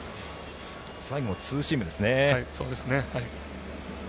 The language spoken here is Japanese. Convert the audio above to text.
最後、ツーシームですね。